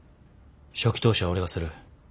初期投資は俺がする。